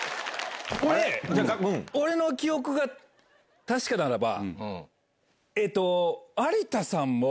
これ俺の記憶が確かならば。